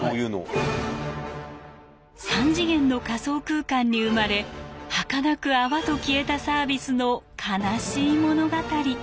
３次元の仮想空間に生まれはかなく泡と消えたサービスの悲しい物語。